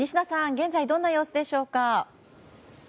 現在どんな様子でしょうか。